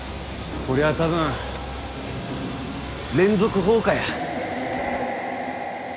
こりゃ多分連続放火や。